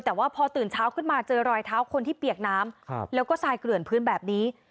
แต่ว่าพอตื่นเช้าขึ้นมาเจอรอยเท้าคนที่เปียกน้ำแล้วก็ทรายเกลื่อนพื้นแบบนี้